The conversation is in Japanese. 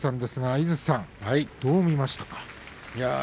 井筒さん、どう見ましたか。